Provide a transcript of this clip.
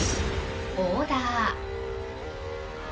「オーダー」